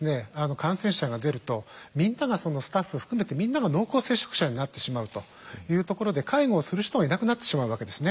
感染者が出るとスタッフ含めてみんなが濃厚接触者になってしまうというところで介護をする人がいなくなってしまうわけですね。